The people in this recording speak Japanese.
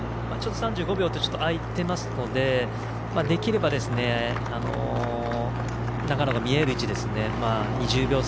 ３５秒と開いていますのでできれば長野が見える位置である２０秒差